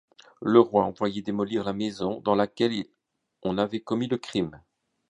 Le roi a envoyé démolir la maison dans laquelle on avait commis le crime.